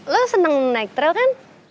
lo seneng naik trail kan